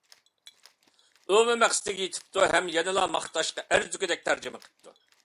ئۇمۇ مەقسىتىگە يىتىپتۇ ھەم يەنىلا ماختاشقا ئەرزىگۈدەك تەرجىمە قىپتۇ.